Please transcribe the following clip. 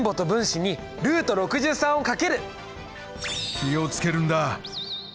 気をつけるんだ。